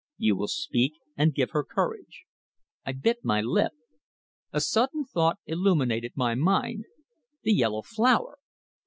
You will speak, and give her courage." I bit my lip. A sudden thought illuminated my mind. The yellow flower!